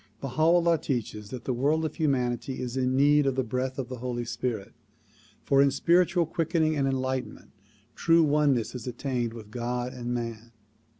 Baha 'Ullaii teaches that the world of humanity is in need of the breath of the Holy Spirit, for in spiritual quickening and enlightenment true oneness is attained with God and man.